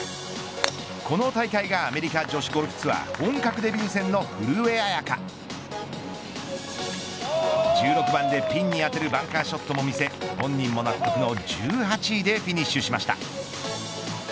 この大会が、アメリカ女子ゴルフツアー本格デビュー戦の古江彩佳１６番でピンに当てるバンカーショットも見せ本人も納得の１８位でフィニッシュしました。